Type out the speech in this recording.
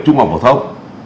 trung học phổ thông